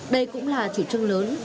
đây cũng là chủ trương lớn